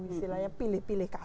istilahnya pilih pilih kasih